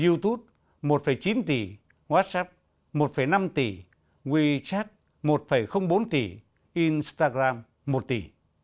youtube một chín tỷ whatsapp một năm tỷ wechat một bốn tỷ instagram một tỷ